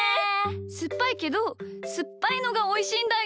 すっぱいけどすっぱいのがおいしいんだよ。